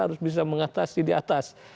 harus bisa mengatasi di atas